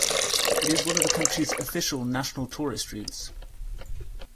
It is one of the country's official national tourist routes.